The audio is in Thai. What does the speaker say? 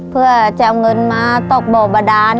เพื่อจะเอาเงินมาตกบ่อบาดาน